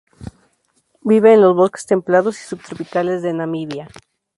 Vive en los bosques templados y subtropicales, de Namibia.